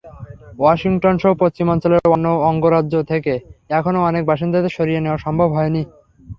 ওয়াশিংটনসহ পশ্চিমাঞ্চলের অন্য অঙ্গরাজ্য থেকে এখনো অনেক বাসিন্দাদের সরিয়ে নেওয়া সম্ভব হয়নি।